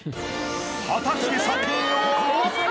果たして査定は？